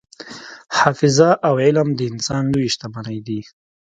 حافظه او علم د انسان لویې شتمنۍ دي.